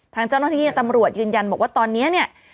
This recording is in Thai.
ทางเจ้าหน้าที่ตำรวจยืนยันบอกว่าตอนนี้เนี่ย